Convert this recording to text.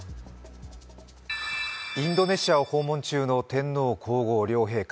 インドネシアを訪問中の天皇皇后両陛下。